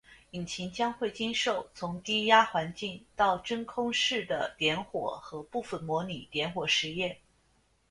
引擎将会经受从低压环境到真空室的点火和部分模拟点火实验。